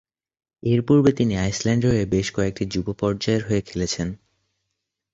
এরপূর্বে, তিনি আইসল্যান্ডের হয়ে বেশ কয়েকটি যুব পর্যায়ের হয়ে খেলছেন।